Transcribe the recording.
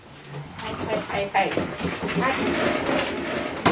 はい。